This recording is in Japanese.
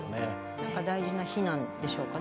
何か大事な日なんでしょうかね。